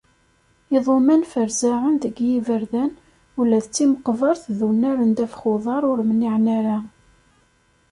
Iḍumman ferzaɛen deg yiberdan, ula d timeqbert d unnar n ddabex uḍar ur mniɛen ara.